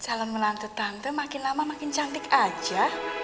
jalan melantut tante makin lama makin cantik aja